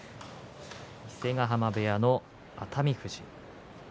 伊勢ヶ濱部屋の熱海富士。